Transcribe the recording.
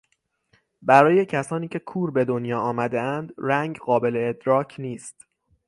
برای کسانی که کور به دنیا آمدهاند رنگ قابل ادراک نیست.